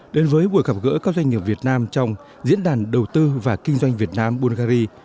đến với buổi gặp gỡ các doanh nghiệp việt nam trong diễn đàn đầu tư và kinh doanh việt nam bulgari